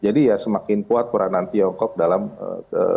jadi ya semakin kuat peranan tiongkok dalam hutang kita